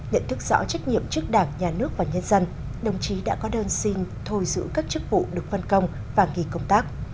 nhận thức rõ trách nhiệm trước đảng nhà nước và nhân dân đồng chí đã có đơn xin thôi giữ các chức vụ được phân công và nghỉ công tác